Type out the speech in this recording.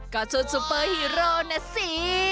ก็ชุดซุปเปอร์ฮีโร่นะสิ